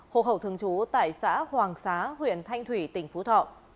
hồ khẩu thương chú tại xã hoàng xá huyện thanh thủy tỉnh phú thọ